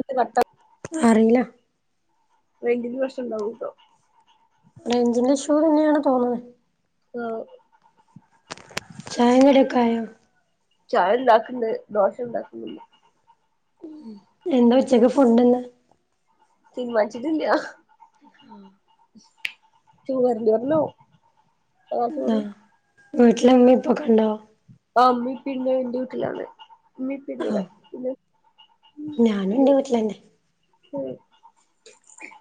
ന്തേ കട്ട അറീല [unintelligible] വർഷം ണ്ടാവൂണ്ടോ റെയ്ഞ്ച്ന്റെ ഷൂ ആണന്നെണ് തോന്ന്ണെ ആ ചായിം കടിം ഒക്ക ആയോ ചായ ഇണ്ടാക്ക്‌ണ്ട് ദോശ ഇണ്ടാക്കുന്നില്ല ഉം ഞങ്ങള ഉച്ചക്ക് ഫുഡന്താ തീര്മാൻച്ചിട്ടില്ല ഹാ ചോ വെറും ചോർന്നാവും ആ വീട്ടില് മ്മി ഇപ്പൊക്കണ്ടോ ആ ഇമ്മി ഇപ്പി ണ്ട് ഇന്റെ വീട്ടിലാണ് ഇമ്മി ഇപ്പിണ്ട് ആഹ് ഇവടെ ഞാനും ഇന്റെ [unintelligible] വീട്ടിലന്നെ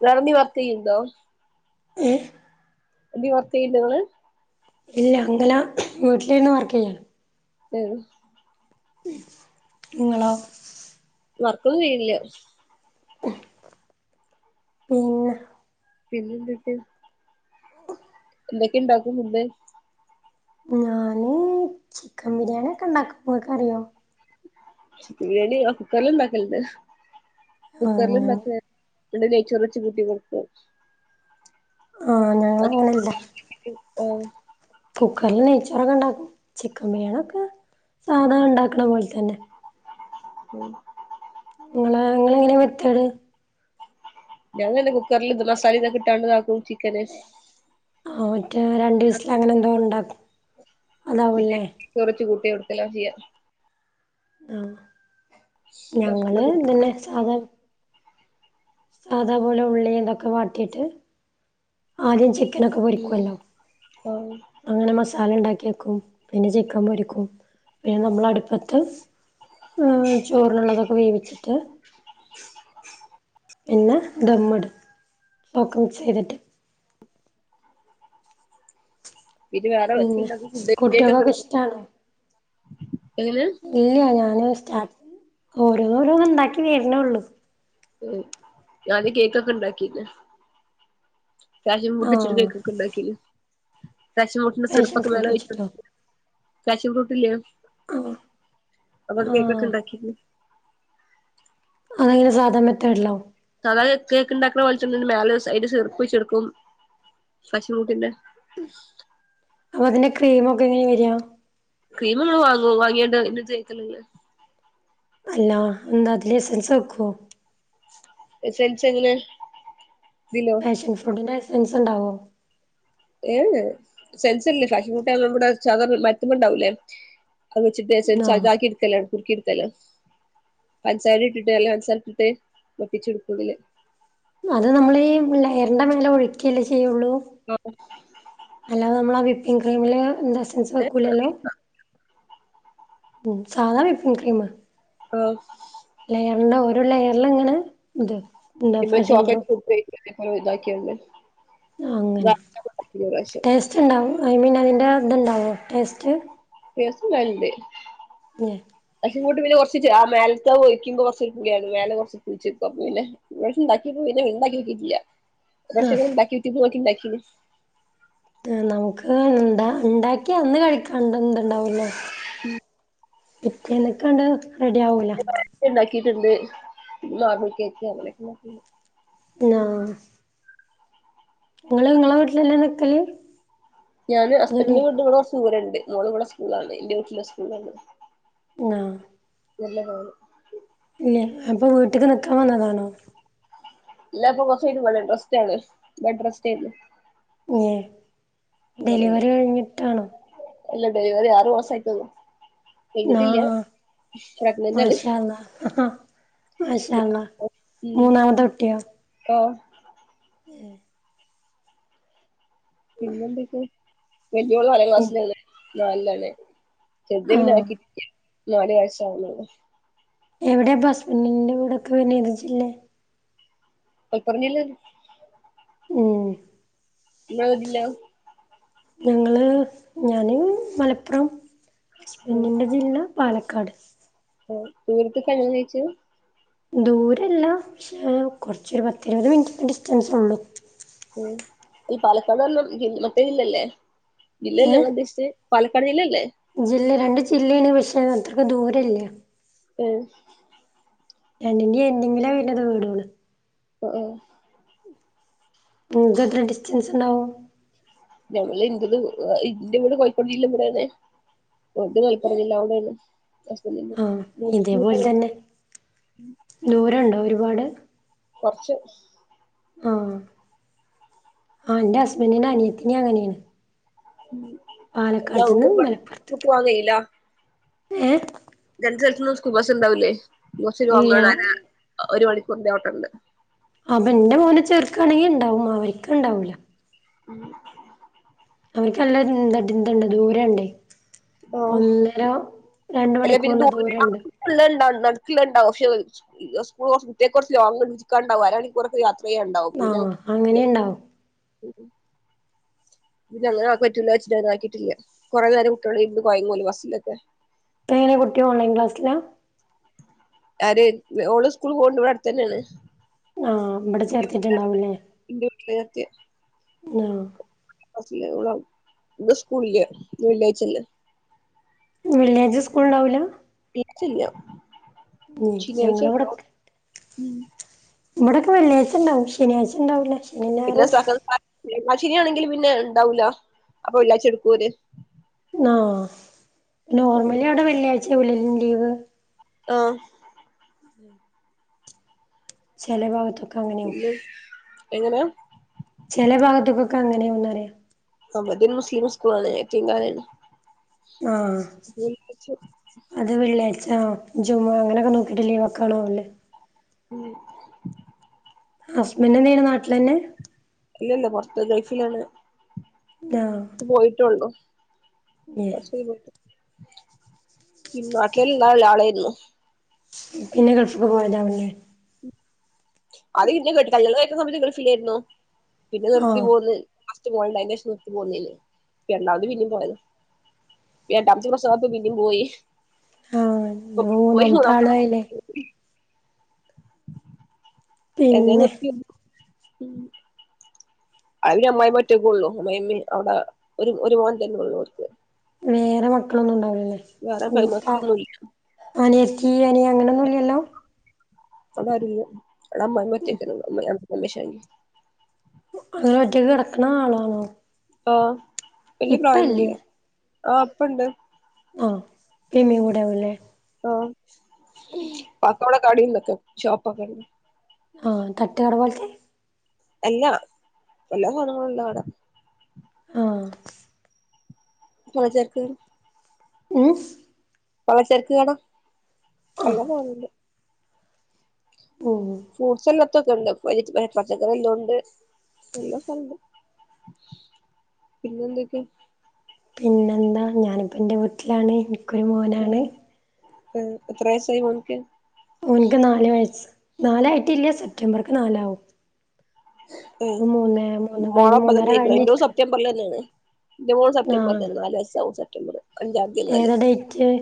ഇങ്ങള് എന്തേ വർക്ക്‌ ചെയ്യ്ണ്ടോ ഏഹ് എന്തേ വർക്ക് ചെയ്യണ്ടൊ ഇങ്ങള്? ഇല്ല അങ്കല വീട്ടിലിരുന്ന് വർക്ക് ചെയ്യണ്. ഉം ഇങ്ങളോ? വർക്കൊന്നും ചെയ്യണില്ല്യ. പിന്നെ പിന്നെന്തെക്കെ? എന്തൊക്കെ ഉണ്ടാക്കും ഫുഡ്‌? ഞാന് ചിക്കൻ ബിരിയാണി ഒക്കെ ഉണ്ടാക്കും. ഇങ്ങക്ക് അറിയോ? ചിക്കൻ ബിരിയാണി ആ കുക്കറില് ഉണ്ടാക്കലുണ്ട്. ആഹ് കുക്കറിൽ ഞാന് ഇണ്ടാക്ക പിന്നെ നെയ്‌ച്ചോർ വെച്ച് കൂട്ടി കൊടുക്കു. ആഹ ഞങ്ങള് അങ്ങനെല്ല. ആ കുക്കറില് നെയ്ച്ചറൊക്കെ ഉണ്ടാക്കും. ചിക്കൻ ബിരിയാണി ഒക്കെ സാധാ ഉണ്ടാക്കണ പോലെ തന്നെ. [unintelligible] നിങ്ങളെ നിങ്ങളെങ്ങനെ വെക്കല്. ഞാൻ തന്നെ കുക്കറിൽ ഇത് മസാല ഇതൊക്കെ ഇട്ടാണ്ടതാക്കും ചിക്കന്. ആ മറ്റേ രണ്ടു വിസൽ അങ്ങനെ എന്തോ ഉണ്ടാക്കും, പിന്നെ അതാവുല്ലേ. കുറച്ച് കൂട്ടി കൊടുത്തല്ല ചെയ്യാം. ആഹ ഞങ്ങള് ഇതന്നെ സാധാ സാധാ പോലെ ഉള്ളി തൊക്കെ വാട്ടിയിട്ട്. ആദ്യം ചി ക്കനൊക്കെ പൊരിക്കുവല്ലോ. അങ്ങനെ മസാല ഉണ്ടാക്കി വക്കും. പിന്നെ ചിക്കൻ പൊരിക്കും. പിന്നെ നമ്മള് അടുപ്പത്ത് ഏ ചോറിനുള്ളതൊക്കെ വേവിച്ചിട്ട്. പിന്നെ ദമ്മിടും. ഓക്കെ മിക്സ് ചെയ്തിട്ട്. പിന്നെ വേറെന്തുണ്ടാകും കുട്ടികൾക്കൊക്കെ ഇഷ്ടാണോ [unintelligible] എങ്ങനെ ഇല്ല ഞാന് സ്റ്റാർട്ട് ഓരോന്നോരോന്ന് ഉണ്ടാക്കി വരണേള്ളൂ. ഞാന് കേക്കൊക്കെ ഇണ്ടാക്കിന്ന്. പാഷൻ ഫ്രൂട്ട് വെച്ചിട്ട് ആഹ് കേക്കൊക്കെ ഉണ്ടാക്കിന്. പാഷൻ ഫ്രൂട്ടിന്റെ പാഷൻ സിറപ്പൊക്കെ മേലെ ഫ്രൂട്ട് ഒഴി വെച്ചിട്ടോ [unintelligible] പാഷൻ ഫ്രൂട്ടില്ലോ. ആഹ് അങ്ങോട്ട് കേക്കൊക്കെ ആഹ് ഉണ്ടാക്കിണ്. അതെങ്ങനെ, സാധാ മെതേഡിലൊ? സാധാ കേക്ക് ഉണ്ടാക്കണെ പോലെ തന്നെ മേലെ സൈഡ് സിറപ്പ് ഒഴിച്ചൊടുക്കും, പാഷൻ ഫ്രൂട്ടിന്റെ. അപ്പൊ അതിന്റെ ക്രീം ഒക്കെ എങ്ങനെ വരാ? ക്രീമ് ഇമ്മള് വാങ്ങും. വാങ്ങിയാണ്ട് അയിന് തേക്കലല്ലേ. അല്ല എന്താ അതില് എസ്സെൻസ് വെക്കുവോ? എസ്സെൻസ് എങ്ങനെ, ഇതിലോ? പാഷൻ ഫ്രൂട്ടിന്റെ എസ്സെൻസ് ഉണ്ടാവോ? ഏഏഹ് എസ്സെൻസില്ല, ഫാഷൻ ഫ്രൂട്ട് അത് നമ്മുടെ മരത്തിമ്മെ ഉണ്ടാവുലെ. അത് വച്ചിട്ട് എസ്സെൻസ് ആഹ് അതാക്കിട ക്കല കുറുക്കി എടുക്കലാ. പഞ്ചസാര ഇട്ടിട്ട് അല്ല പഞ്ചസാര ഇട്ടിട്ട്, വറ്റിച്ച് എടുക്കും ഉള്ളില്. അത് നമ്മള് ഈ ലയറിന്റെ മേലെ ഒഴുക്കിയല്ലേ ചെയ്യുള്ളൂ. ആഹ അല്ലാതെ നമ്മള് ആഹ വിപ്പിംങ്ങ് ക്രീമില് എസ്സെൻസ് വെക്കൂലല്ലോ? ഉം സാധാ വിപ്പിങ് ക്രീമ്. ആഹ ലെയറിന്റെ ഓരോ ലെയറില് ഇങ്ങനെ ഇത്. എന്താ ഇതിമെ ഫാഷൻ ഫ്രൂട്ട് ചോക്ലറ്റ് [unintelligible] ഇതാക്കിയണ്ട്. [unintelligible] ഒറശ്യം. ഇണ്ടാവും ഐ മീൻ അതിൻ്റെ ഇതുണ്ടാവോ ടേസ്റ്റ്. ടേസ്റ്റ്ണ്ടാവൽണ്ട് ഏഹ് [unintelligible] കൂട്ട് പിന്നെ കൊർച്ചീച്ചെ ആ മേൽത്തെ ഒഴിക്കുമ്പോ കൊർച്ച് പുളിയാണ് മേലെ കൊർച്ച് പുൾച്ച് ഇക്കും അപൊ പിന്നെ ഇപ്രാശ്യം ഇണ്ടാക്കിപ്പോ പിന്നെണ്ടാക്കി ഓക്കീട്ടില്ല ഒരുറാശ്യം ഞാൻ ആഹ് ഇണ്ടാക്കി യൂറ്റൂബ് നോക്കിണ്ടാക്കീണ് നമുക്ക് ഇണ്ടാ ഇണ്ടാക്യാ അന്ന് കഴിക്കാണ്ടണ്ട്ണ്ടാവൂല്ലാ പിറ്റേന്നേക്കാണ്ട് റെഡി ആവൂല ഇത് ഇണ്ടാക്കീട്ട്ണ്ട് നോർമൽ കേക്ക് അങ്ങനൊക്കെണ്ടാക്കീണ്ട് ഇന്നാ ആഹ് ഇങ്ങള് ഇങ്ങളെ വീട്ടിലെന്നെ നിക്കല് ഞാന് അതോല് ഹസ്ബൻഡന്റെ വീട് ഇവിടെ കൊർച്ച്‌ ദൂരണ്ട് മോള് ഇവടെ സ്കൂള്ളാണ് ഇന്റെ വീട്ടിലെ സ്കൂള്ളാണ് ആഹ് നല്ലതാണ് ഇല്ല അപ്പൊ വീട്ട്ക്ക് ന്ന്ക്കാൻ വന്നതാണോ ഇല്ലപ്പൊ കൊർച്ചയിഞ്ഞിട്ട് പോണെള്ളൂ റസ്റ്റാണ് ബെഡ് റസ്റ്റേര്ന്ന് ഏഹ് ഇവടേണ് ഡെലിവറി കഴിഞ്ഞിട്ടാണോ അല്ല ഡെലിവറി ആറ് മാസായിട്ടൊള്ളൂ ആഹ് പ്രഗ്നന്റ് ആണ് മാഷാഅല്ലാഹ്‌ മാഷാഅല്ലാഹ്‌ ഉം മൂന്നാമത്തെ കുട്ട്യോ ആഹ് ഏഹ് പിന്നെന്തെക്കെ വല്യോള് നാലാം ക്ലാസ്സിലാലെ നാല് ലാലെ ചെർത് പിന്നെ ആഹ് ആക്കീട്ടില്ല നാല് വയസ്സാവുന്നുള്ളൂ എവിടേപ്പൊ ഹസ്ബൻ്റിന്റെ വീടൊക്കെ വര്ന്നെ ഏത് ജില്ലെ മലപ്പുറം ജില്ലന്നെ ഉം ഇങ്ങളെവ്ടില്ലാ ഞങ്ങള് ഞാന് മലപ്പുറം ഉം ഹസ്ബൻഡിൻ്റെ ജില്ല പാലക്കാട് ദൂരത്ത്ക്കാ കല്ല്യാണം കഴിച്ചൂ ദൂരല്ല പക്ഷേ കൊർച്ചൊരു പത്തിരുപത് മിൻറ്റിൻ്റെ ഡിസ്റ്റൻസൊള്ളു ഏഹ് ഈ പാലക്കാട്ർഞ്ഞാ മറ്റേ ജില്ലല്ലേ ഏ ജില്ലല്ലെ ഇങ്ങള് ഉദ്ദേശിച്ചെ പാലക്കാട് ജില്ലല്ലേ ജില്ല രണ്ട് ജില്ലേണ് പക്ഷെ അത്രക്ക് ദൂരല്ല ഏഹ് രണ്ടിന്റിം എൻ്റിങ്ങിലാ വരുന്നത് വീടാള് അഏഹ് ഇങ്ങക്കെത്ര ഡിസ്റ്റൻസ്ണ്ടാവും ഞങ്ങള് ഇൻ്റത് ഇൻ്റെ വീട് കോഴിക്കോട് ജില്ല ഇവിടന്നെ ഓൽത് മലപ്പുറം ജില്ല അവിടേണ് ഹസ്ബൻഡ്ൻ്റെ ആഹ് ഇതേപോലെ തന്നെ [unintelligible] ദൂരണ്ടോ ഒരുപാട് കൊർച്ച് ആഹ് ആഹ് ഇന്റെ ഹസ്ബൻഡ്ൻ്റെ അനിയത്തിന്റെം അങ്ങനേണ് ഇനി അവ്ട്ന്ന്ങ്ങട്ട് പോവാം കയ്യില്ല ഏഹ് രണ്ട് സ്ഥൽത്ത്ന്നും സ്കൂബസ് ഇണ്ടാവൂലെ കൊർച്ച് ഇല്ല ലോങ്ങാണ് [unintelligible] ഒരു മണിക്കൂർന്റെ ഓട്ടണ്ട് അപ്പൊ ഇന്റെ മോന് ചെർക്കാണെങ്കി ഇണ്ടാവും അവര്ക്ക് ഇണ്ടാവൂല്ല ആഹ് അവർക്കനല്ല [unintelligible] ദൂരണ്ടെ ആഹ് ഒന്നര രണ്ട് മണിക്കൂറിന്റെ ദൂരണ്ട് ഇല്ലണ്ടാവ നടക്കില്ലണ്ടാവും ക്ഷേ സ്കൂൾ കൊറച്ച് കുട്ട്യ കൊറച്ച് ലോങ്ങിണ്ട ഇഞ്ചിക്കാണ്ടാവും അര കുറക്കെ യാത്രെയണ്ടാവും പിന്നെ ആഹ് അങ്ങനെണ്ടാവും പിന്നെ അങ്ങനാ ആൾക്ക് പറ്റൂലാച്ചിട്ട് അങ്ങനാക്കിട്ടില്ല കൊറെനേരം കുട്ടി ഓള് ഇര്ന്ന കൊയങ്ങൂ ഓല് ബസ്സിലൊക്കെ ഇപ്പെങ്ങനെ കുട്ടി ഓൺലൈൻ ക്ലാസ്സിലാ അര് ഓള് സ്കൂൾ പോവ്ണ്ട് ഇവടട്ത്തന്നേണ് ആഹ് ഇബടെ ചേർത്തീട്ട്ണ്ടാവൂല്ലേ ഇന്റെ വീട്ടില് ആഹ് ക്ലാസില്ലാ [unintelligible] ഇന്ന് സ്കൂള്ല്ല വെള്ളിയാഴ്ചല്ലേ വെള്ളിയാഴ്ച സ്കൂൾണ്ടാവുല ഇച്ചില്ല്യ ഉം ശനിയാഴച്ചണ്ടാവും ഇവടൊക്കെ വെള്ളിയാഴ്ച ണ്ടാവും ശനിയാഴ്ച്ചണ്ടാവുല പിന്നെ [inaudible] രണ്ടാശനിയാണെങ്കിൽ പിന്നെ ഇണ്ടാവൂല അപ്പൊ വെള്ളിയാഴ്ച എടുക്കും ഓല് ആഹ് നോർമലി അവിടെ വെള്ളിയാഴ്ച ആവൂല്ലെ ലീവ് ആഹ് ചെല ഭാഗത്ത് പിന്നെ എങ്ങനാ ചെല ഭാഗത്ത്ക്കൊക്ക അങ്ങനെയാന്നറിയ സംഭവം ഇത് ഒരു മുസ്ലിം സ്കൂളാണ് യത്തീംകാനേണ് ആഹ് [unintelligible] ച്ച് അത് വെള്ളിയാഴ്ച്ച ജുമ അങ്ങനൊക്കെ നോക്കിട്ട് ലീവ്ക്കാണോല്ലേ ഉം ഹസ്ബൻഡ് എന്ത്യ്യ്ണ് നാട്ട്ലന്നെ അല്ലല്ല പൊറത്ത് ഗൾഫിലാണ് ആഹ് ഇപ്പ പോയിട്ടൊള്ളു കൊറച്ച് നാട്ടിൽ ഇളള ലാളേര്ന്നു പിന്നെ ഗൾഫ്ക്ക് പോയതാവും ലേ അത് ഇന്നെ കേട്ട കല്യാണംകഴിക്ക്ണ സമയത്ത് ഗൾഫിലേര്ന്നു പിന്നെ ആഹ് നിർത്തിപോന്ന് ലാസ്റ്റ് പോണ്ട അയിറ്റേഷം നിർത്തി പോന്നീന്ന്‌ രണ്ടാത് പിന്നിം പോയത രണ്ടാമത്തെ പ്രസവാപ്പ പിന്നിംപോയി ആഹ് ഇയ്യ് പോയി മൂന്നാമത്തെ മൂന്നാമത്ത ആളായില്ലേ [unintelligible] എന്തേ പിന്നെ നിർത്തി അവിടെ അമ്മായിമ്മൊറ്റക്കോള്ളു അമ്മായിമ്മിം അവടെ ഒരു ഒരു മോൻ തന്നേള്ളൂ ഓര്ക്ക് വേറെ മക്കളൊന്നും ഉണ്ടാവുലല്ലേ വേറെ ഇങ്ങക്കാ പെൺമക്കളൊന്നുമില്ല അനിയത്തി അനിയൻ അങ്ങനൊന്നൂല്ലല്ലോ അവിടാരൂല്ല അവിടെ അമ്മായിമ്മൊറ്റക്കന്നൊള്ളൂ [unintelligible] അമ്മോശൻ അങ്ങന ഒറ്റക്ക് കടക്ക്ണ ആളാണോ ആഹ് വല്യ ഇപ്പ ഇല്ലേ പ്രായൊന്നുല്ല ആഹ് ഇപ്പണ്ട് ആഹ് ഇപ്പിം ഇമ്മിം കൂടേണല്ലേ ആഹ് വാപ്പ അവടെ കടീം തൊക്കെ ഷോപ്പക്കെ ആഹ് തട്ട്കടപോൽത്തെ അല്ല എല്ലാ സാനങ്ങളുള്ള കട ആഹ് പലചരക്ക് ഉം പലചരക്ക്കട ആഹ് എല്ലാസാനുണ്ട് മ് ഫ്രൂട്ട്സ് അല്ലാത്തൊക്കണ്ട് വെജിറ്റ പച്ചക്കറി എല്ലുണ്ട് എല്ലാസാനുണ്ട് പിന്നെന്തക്കെ പിന്നെന്താ ഞാനിപ്പ ന്റെ വീട്ട്ലാണ് ആഹ് അഹ് എത്ര വയസ്സായി മോനിക്ക്‌ ഓനിക്ക് നാല് വയസ്സ് നാലായിട്ടില്ല സെപ്റ്റംബർക്ക് നാലാവും ഉം ഇപ്പ മൂന്നേ മൂന്ന് കഴിഞ്ഞ് മൂന്നര മോളപ്പത്തന്നെ ഇരിക്കണേ ഇന്നോട് കഴിഞ്ഞിരിക്ക്ണ് സത്യം മ്പർല്ലെന്നേണ് എന്റെ മോള് സെപ്റ്റംബർ ആഹ് തന്നെ നാല് വയസ്സാകും സെപ്റ്റംബറ് അഞ്ചാന്തി മുതല് ഏതാ ഡേറ്റ്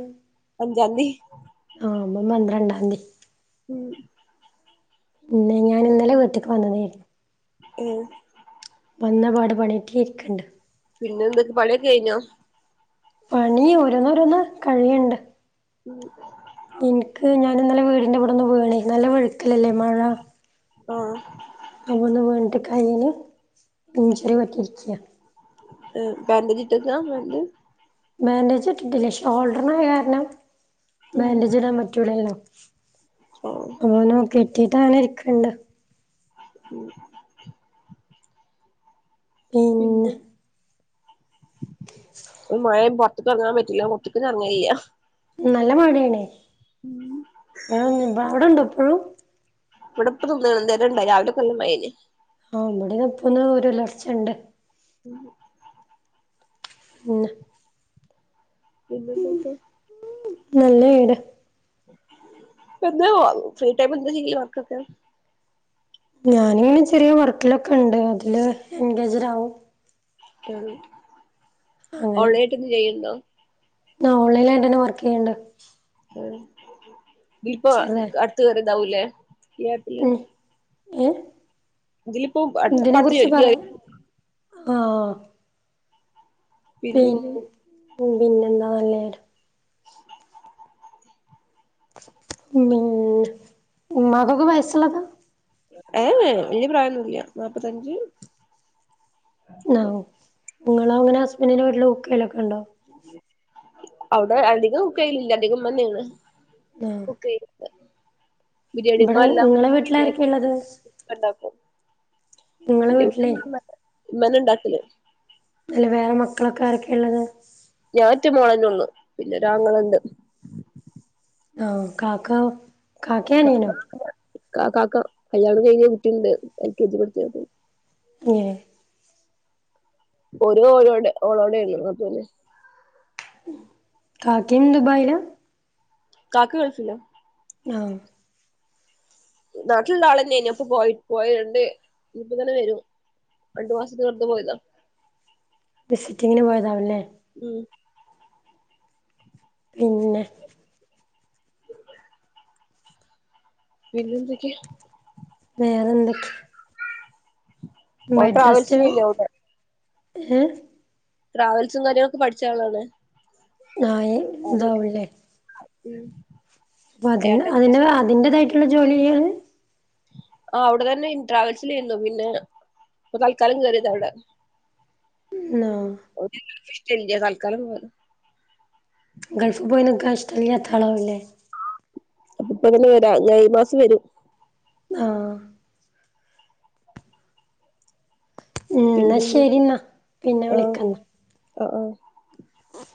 അഞ്ചാന്തി ആഹ് അവൻ പന്ത്രണ്ടാന്തി ഉം പിന്നെ ഞാൻ ഇന്നലെ വീട്ട്ക്ക് വന്നതേയുള്ളൂ ഉം വന്നപാട് പണിയക്കെ ഇര്ക്ക്ണ്ട് പിന്നെ ന്തൊക്കെ പണിയൊക്കെ കയ്ഞ്ഞോ പണി ഓരോന്നോരോന്ന് കഴിയെണ്ട് ഉം ഏഹ് ഞാനിന്നലെ വീടിൻ്റെ ഇവിടൊന്നു വീണേ നല്ല വഴുക്കലല്ലേ മഴ ആഹ് അവിടന്ന് വീണിട്ട് കയ്യില് ഇഞ്ചുറി പറ്റി ഇരിക്ക്യാ ഏഹ് ബാന്റെജ് ഇട്ടേക്കാ അന്നിട്ട് ബാൻഡേജ് ഇട്ടിട്ടില്ല ഷോൾഡറിനായ കാരണം ഉം ബാൻഡേജ് ഇടാൻ പറ്റൂലല്ലോ ഓഹ് ഓനോ കിട്ടീട്ട് ആണ് ഇരിക്കണ്ട് ഉം ഉം എന്ത്‌ മഴേം പൊ റത്തേക്ക്‌ എറങ്ങാൻ പറ്റില്ല മുറ്റത്ത് ഞാനെറങ്ങേ ഇല്യാ നല്ല മഴേണേ ഉം ആഹ് ഞ്ഞ് അവിടെണ്ടോ ഇപ്പഴും ഇവിടിപ്പൊ തുള്ളികളെന്തൊരൊണ്ടായി രാവിലേക്ക നല്ല മഴേല്ലേ ആഹ് ഇവിടെ ഒപ്പ്നാ ഒരു ഉലർച്ചെണ്ട് ഉം പിന്ന പിന്നെന്തേക്കെ നല്ല വീട് എന്താ ഫ്രീടൈം എന്താ ചെയ്യാ വർക്കൊക്കെ ഞാനിങ്ങനെ ചെറിയ വർക്കിലൊക്കെ ഇണ്ട് അതില് എൻഗേജ്ഡ് ആവും ട്ടാണ് അങ്ങനെ ഓൺലൈൻ ആയിട്ട് ഇരുന്ന് ചെയ്യെണ്ടോ ആഹ് ഓൺലൈനായിട്ട് തന്നെ വർക്ക് ചെയ്യെണ്ട് ! ! ! ! ! ! ! ! ! ! ചെറുതായി ഉം ഏഹ് ഇതിലിപ്പോ പട് ഇതിനെ പട്ത്ത് കുറിച്ച് പറയാ [unintelligible] ആഹ് ഓഹ് പിൻ പിന്നെന്ന് പിന്നെന്താ [unintelligible] [unintelligible] ഉമ്മാക്കക്ക വയസ്സൊള്ളതാ ഏഹ് വല്യ പ്രായോന്നില്യ നാപ്പത്തഞ്ച് ആഹ് ഓക്കേ നിങ്ങള് അങ്ങന ഹസ്ബന്റിന്റെ വീട്ടില് കുക്ക്ചെയ്യലൊക്കെണ്ടോ അവിടെ അധികം കുക്ക്‌ ചെയ്യലില്ല അധികം ഉമ്മന്നേണ് ആഹ് കുക്ക്ചെയ്യല് ഇവിടെ നിങ്ങളെ വീട്ടില് ആരക്കേ എള്ളത് മ്മെണ്ടാക്കും നിങ്ങള വീട്ടിലേ ഇമ്മന്നെ എണ്ടാക്കല് അല്ല വേറെ മക്കളൊക്കെ ആരൊക്കെയാ ഇള്ളത് ഞാൻ ഒറ്റ മോളന്നേ ഉള്ളു പിന്നെ ഒരാങ്ങളെണ്ട് ആഹ് കാക്ക കാക്കേം അനിയനോ കാക്ക കല്യാണം കഴിഞ്ഞ ഒര് കുട്ടിയുണ്ട് എൽ കെ ജി പഠിച്ച ഏഹ് ഓര് ഓരോടെ ഓളോടെണ് അത് കാക്കിം ദുബായില കാക്ക ഗൾഫില ആഹ് നാട്ടിലുള്ള ആൾന്നെയ ഇ അപ്പൊ പോയി പോയിട്ടണ്ട് ഇനിപ്പ തന്നെ വരും. രണ്ടു മാസത്തിന് വെറുതെ പോയത വിസിറ്റിങ്ങിന് പോയതാവുല്ലേ ഉം പിന്നെ പിന്നെന്തൊക്കെ വേറെ ന്തൊക്കെ ഓ റെസ്റ്റ് ട്രാവൽസിലില്ല അവിടെ ഏഹ് ട്രാവൽസും കാര്യങ്ങളൊക്കെ പഠിച്ച ആളാണ് ആഹ് ഇതാവ്ല്ലേ ഉം അപ്പ അതി ഏട്ടൻ അതിന്റെ അതിന്റേതായിട്ടുള്ള ജോലി ചെയ്യാണ്. ആ അവിടെ തന്നെ ട്രാവൽസിലാരുന്നു പിന്നെ ഇപ്പ തൽക്കാലം കേറിയത അവിടെ ആഹ് തൽക്കാലം പോ ഗൾഫ് പോയി നിൽക്കാൻ ഇഷ്ടല്ലാത്താളാവൂല്ലേ? ഇപ്പ എങ്ങന വരാ മെയ് മാസം വരും ആഹ് ഉം ന്നാ പിന്നെന്തൊക്ക ശരിന്നാ പിന്നെ ആഹ് ആഹ് ഓഹ്